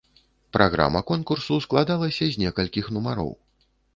Праграма конкурсу складалася з некалькіх нумароў.